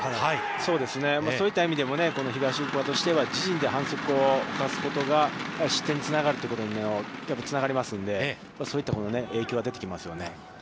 そうですね、そういった意味でも、この東福岡としては、自陣で反則を出すことが失点にやっぱりつながりますので、そういった影響が出てきますよね。